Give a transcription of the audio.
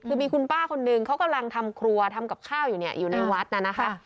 คือมีคุณป้าคนนึงเขากำลังทำครัวทำกับข้าวอยู่เนี่ยอยู่ในวัดน่ะนะคะ